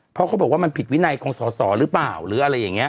เพราะเขาบอกว่ามันผิดวินัยของสอสอหรือเปล่าหรืออะไรอย่างนี้